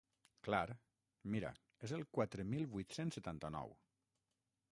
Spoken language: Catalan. Clar, mira és el quatre mil vuit-cents setanta-nou.